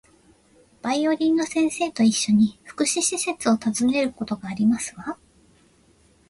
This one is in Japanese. バイオリンの先生と一緒に、福祉施設を訪ねることがありますわ